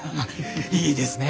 いいですね